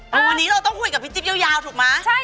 วันนี้เราต้องคุยกับพี่จิ๊บยาวถูกไหม